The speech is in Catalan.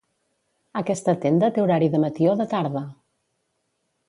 Aquesta tenda té horari de matí o de tarda?